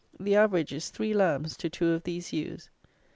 The average is three lambs to two of these ewes.